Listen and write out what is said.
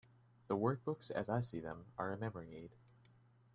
The workbooks, as I see them, are a memory aide.